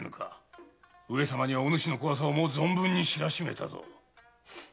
上様にはおぬしの怖さをもう存分に知らしめたぞ。